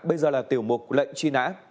bây giờ là tiểu mục lệnh truy nã